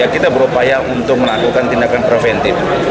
kita berupaya untuk melakukan tindakan preventif